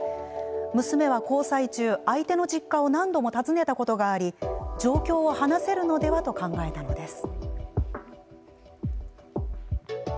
娘は交際中、相手の実家を何度も訪ねたことがあり状況を話せるのではと考えたのです。